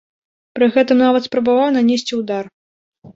Пры гэтым нават спрабаваў нанесці ўдар.